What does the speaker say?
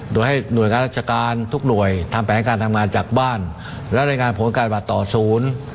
โดยให้หน่วยงานราชการทุกหน่วยทำแผนการทำงานจากบ้านและรายงานผลการบัตรต่อศูนย์